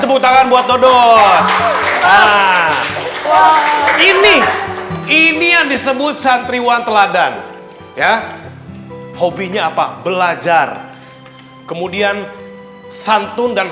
tepuk tangan buat dodo ini ini yang disebut santriwan teladan ya hobinya apa belajar kemudian santun dan